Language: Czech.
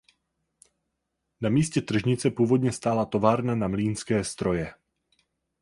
Na místě tržnice původně stála továrna na mlýnské stroje.